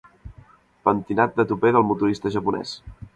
Pentinat de tupè del motorista japonès.